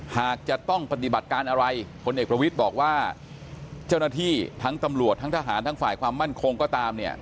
หากจะต้องปฏิบัติการอะไรพลเอกประวิทย์บอกว่าเจ้าหน้าที่ทั้งตำรวจทั้งทหารทั้งฝ่ายความมั่นคงก็ตามเนี่ย